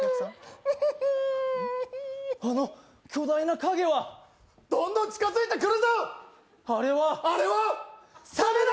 あの巨大な影はどんどん近づいてくるぞあれはあれはサメだ！